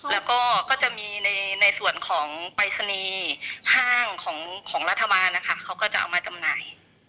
แล้วก็ก็จะมีในส่วนของปรายศนีย์ห้างของรัฐบาลนะคะเขาก็จะเอามาจำหน่าย